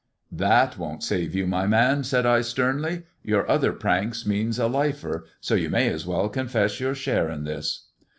" That won't save you, my man," said I sternly ;" your other pranks mean a lifer, so you may as well confess your share in this."